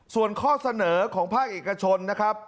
ส่วนข้อเสนอของภาคเอกชน